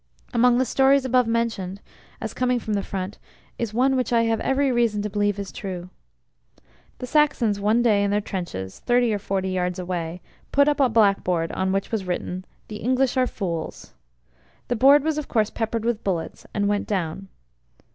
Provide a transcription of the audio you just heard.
Among the stories' above mentioned as coming from the Front is one which I have every reason to believe is true. The Saxons one day, in their trenches thirty or forty yards away, put up a blackboard on which was written: "The English are fools!" The board was of course peppered with bullets, and went drown.